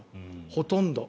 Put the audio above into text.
ほとんど。